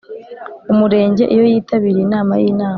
Umurenge iyo yitabiriye inama y Inama